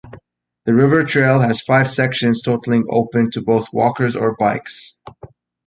The River Trail has five sections totalling open to both walkers or bikes.